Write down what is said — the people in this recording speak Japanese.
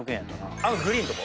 あのグリーンのとこ